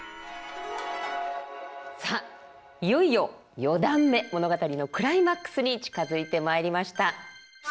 さあいよいよ四段目物語のクライマックスに近づいてまいりました。